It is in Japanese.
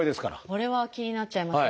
これは気になっちゃいますね。